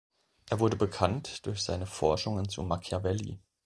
Er wurde bekannt durch seine Forschungen zu Machiavelli.